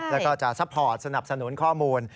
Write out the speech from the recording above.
แล้วก็จะซัพพอร์ตสนับสนุนข้อมูล